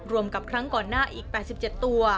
รวมกับครั้งก่อนหน้าอีก๘๗ตัว